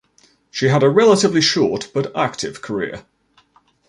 She had a relatively short, but active, career.